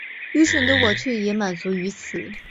愚蠢的我却也满足於此